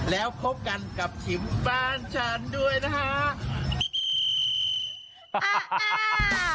แล้วคบกันกับชิมบ้านฉันด้วยนะฮะ